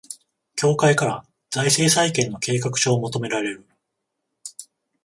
協会から財政再建の計画書を求められる